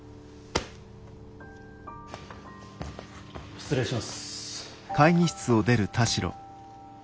失礼します。